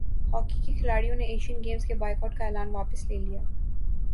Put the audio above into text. hockey کےکھلاڑیوں نے Asian Games کے بائیکاٹ کا اعلان واپس لے لیا